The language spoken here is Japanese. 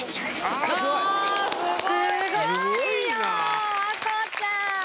すごいよ愛心ちゃん！